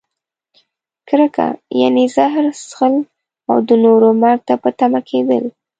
کرکه؛ یعنې زهر څښل او د نورو مرګ ته په تمه کیدل.